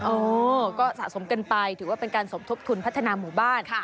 เออก็สะสมกันไปถือว่าเป็นการสมทบทุนพัฒนาหมู่บ้าน